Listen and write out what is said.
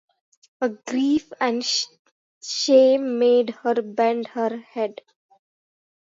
A grief and shame made her bend her head.